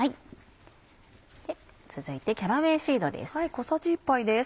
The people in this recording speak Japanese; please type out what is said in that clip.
続いてキャラウェイシードです。